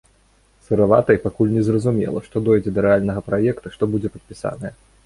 Сыравата, і пакуль незразумела, што дойдзе да рэальнага праекта, што будзе падпісанае.